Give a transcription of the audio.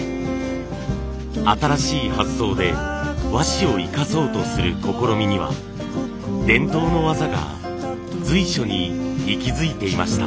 新しい発想で和紙を生かそうとする試みには伝統の技が随所に息づいていました。